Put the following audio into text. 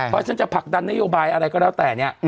เพราะฉันจะผลักดันนโยบายอะไรก็แล้วแต่เนี่ย